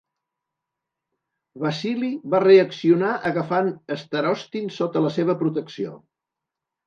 Vasily va reaccionar agafant Starostin sota la seva protecció.